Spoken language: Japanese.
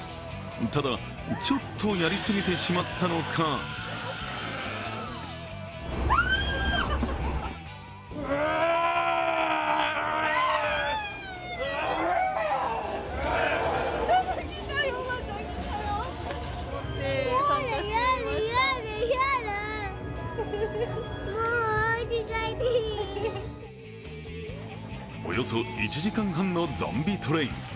ただ、ちょっとやりすぎてしまったのかおよそ１時間半のゾンビトレイン